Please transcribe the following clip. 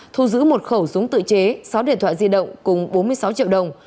thu giữ một khẩu súng tự chế sáu điện thoại di động cùng bốn mươi sáu triệu đồng